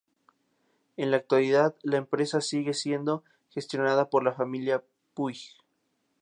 En la actualidad la empresa sigue siendo gestionada por la familia Puig.